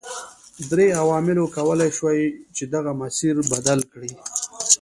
درې عواملو کولای شول چې دغه مسیر بدل کړي.